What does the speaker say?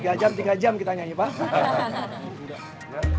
tiga jam tiga jam kita nyanyi pak